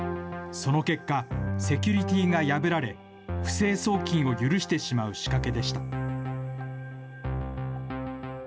その結果、セキュリティーが破られ、不正送金を許してしまう仕掛けでした。